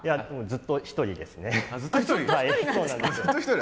ずっと１人なんですか。